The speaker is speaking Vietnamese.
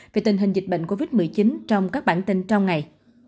về tình hình dịch bệnh covid một mươi chín trong các bản tin trong ngày